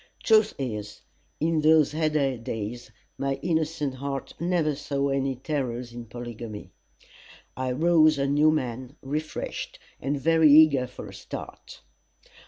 Truth is, in those heyday days, my innocent heart never saw any terrors in polygamy. I rose a new man, refreshed and very eager for a start.